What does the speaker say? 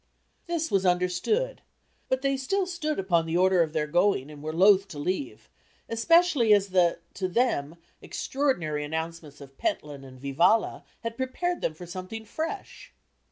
This was understood, but they still stood upon the order of their going and were loth to leave, especially as the, to them, extraordinary announcements of Pentland and Vivalla had prepared them for something fresh.